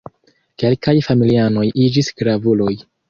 Kelkaj familianoj iĝis gravuloj.